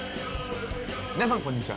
皆さん、こんにちは。